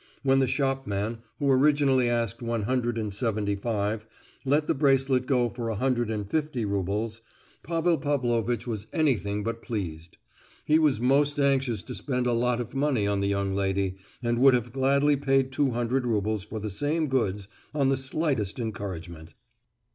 When the shopman, who originally asked one hundred and seventy five, let the bracelet go for a hundred and fifty roubles, Pavel Pavlovitch was anything but pleased. He was most anxious to spend a lot of money on the young lady, and would have gladly paid two hundred roubles for the same goods, on the slightest encouragement.